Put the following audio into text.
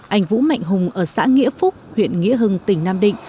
anh vũ mạnh hùng ở xã nghĩa phúc huyện nghĩa hưng tỉnh nam định